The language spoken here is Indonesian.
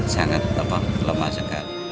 sangat lemah sekali